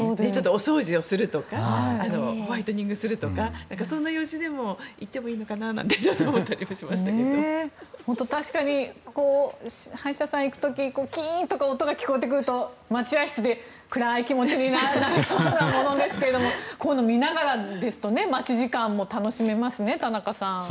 お掃除をするとかホワイトニングするとかそんな用事でも行っていいのかなと確かに歯医者さんに行く時キーンとか音が聞こえてくると待合室で暗い気持ちになるものですがこういうのを見ながらですと待ち時間も楽しめますね。